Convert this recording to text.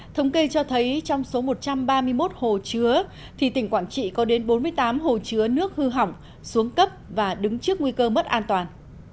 thống kê cho thấy trong số một trăm ba mươi một hồ chứa thì tỉnh quảng trị có đến bốn mươi tám hồ chứa nước hư hỏng xuống cấp và đứng trước nguy cơ mất an toàn